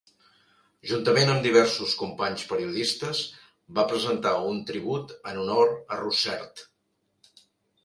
Juntament amb diversos companys periodistes, va presentar un tribut en honor a Russert.